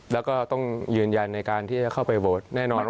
แล้วก็ต้องยืนยันในการที่จะเข้าไปโหวตแน่นอน